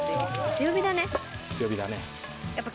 強火だね。